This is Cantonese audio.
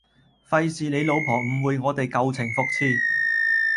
費事你老婆誤會我哋舊情復熾